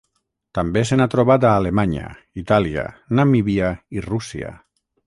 També se n'ha trobat a Alemanya, Itàlia, Namíbia i Rússia.